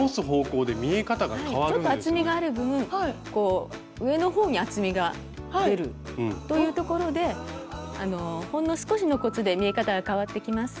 ちょっと厚みがある分こう上の方に厚みが出るというところでほんの少しのコツで見え方が変わってきます。